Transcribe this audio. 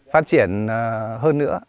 phát triển hơn nữa